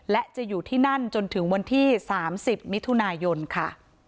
และจะอยู่ที่นั่นจนถึงวันที่๓๐มิถุนายนค่ะ